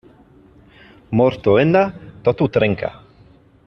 Mort o venda, tot ho trenca.